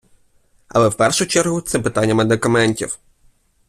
Але в першу чергу це питання медикаментів.